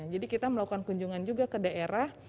jadi kita melakukan kunjungan juga ke daerah